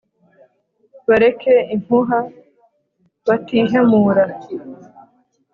bareke impuha batihemura